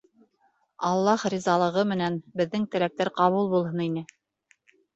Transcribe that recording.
Аллаһ ризалығы менән беҙҙең теләктәр ҡабул булһын ине.